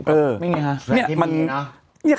แบบไม่มีค่ะ